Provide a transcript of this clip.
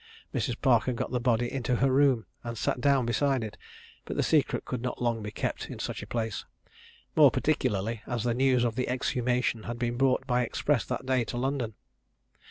Mrs. Parker got the body into her room, and sat down beside it; but the secret could not long be kept in such a place, more particularly as the news of the exhumation had been brought by express that day to London.